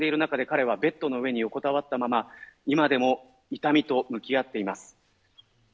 同い年の友達が遊んでいる中で彼はベッドの上に横たわったまま今でも痛みと向き合っています。